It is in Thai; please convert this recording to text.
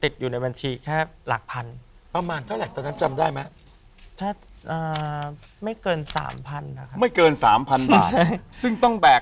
ซึ่งต้องแบก